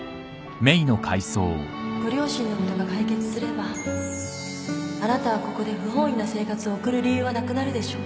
ご両親のことが解決すればあなたはここで不本意な生活を送る理由はなくなるでしょ。